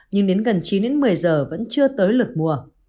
nhưng đến gần chín đến một mươi giờ vẫn chưa tới lượt mua